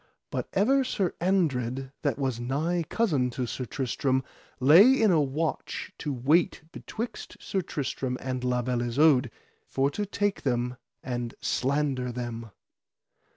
But ever Sir Andred, that was nigh cousin to Sir Tristram, lay in a watch to wait betwixt Sir Tristram and La Beale Isoud, for to take them and slander them.